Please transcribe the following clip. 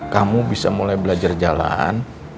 kamu bisa mulai belajar jalan